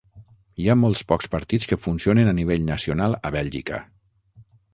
Hi ha molts pocs partits que funcionen a nivell nacional a Bèlgica.